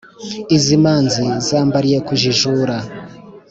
Izi manzi, zambariye kujijura